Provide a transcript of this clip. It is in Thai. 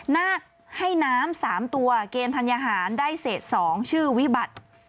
นาคให้น้ำ๓ตัวเกณฑ์ธัญหารได้เศษ๒ชื่อวิบัติ